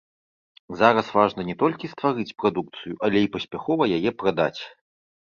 Зараз важна не толькі стварыць прадукцыю, але і паспяхова яе прадаць.